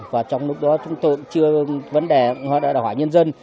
và trong lúc đó chúng tôi cũng chưa vấn đề hỏi nhân dân